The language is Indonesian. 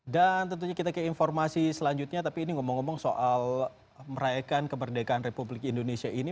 dan tentunya kita ke informasi selanjutnya tapi ini ngomong ngomong soal merayakan kemerdekaan republik indonesia ini